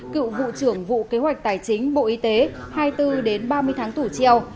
cựu vụ trưởng vụ kế hoạch tài chính bộ y tế hai mươi bốn ba mươi tháng tù treo